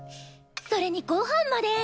それにごはんまで。